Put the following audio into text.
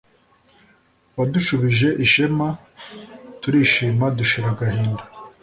Wadushubije ishema turishima dushira agahinda